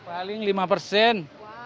paling lima persen